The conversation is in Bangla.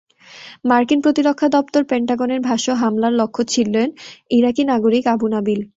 মার্কিন প্রতিরক্ষা দপ্তর পেন্টাগনের ভাষ্য, হামলার লক্ষ্য ছিলেন ইরাকি নাগরিক আবু নাবিল।